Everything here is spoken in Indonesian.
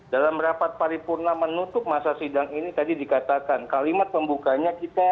dalam rapat paripurna menutup masa sidang ini tadi dikatakan kalimat pembukanya kita